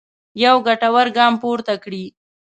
یو ګټور ګام پورته کړی.